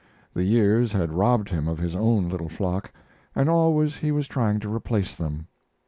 The years had robbed him of his own little flock, and always he was trying to replace them.